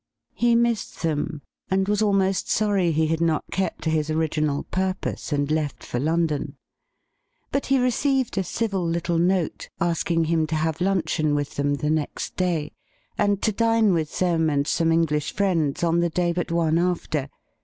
He missed them, and was almost sorry he had not kept to his original purpose and left for London. But he received a civil little note, askin;i him to have luncheon with them the next day, and to dine with them and some English friends on the day but one after.